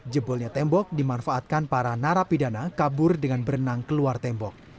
jebolnya tembok dimanfaatkan para narapidana kabur dengan berenang keluar tembok